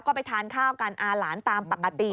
ก็ไปทานข้าวกันอาหลานตามปกติ